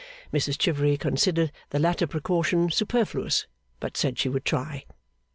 Mrs Chivery considered the latter precaution superfluous, but said she would try.